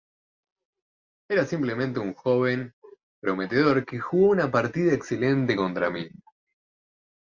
Era simplemente un joven prometedor que jugó una partida excelente contra mí.